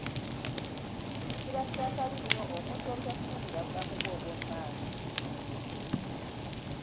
Kiba kya kabi nnyo omuntu obutatunuulira bulamu bwe obwo mumaaso.